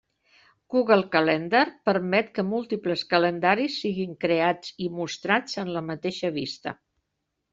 Google Calendar permet que múltiples calendaris siguin creats i mostrats en la mateixa vista.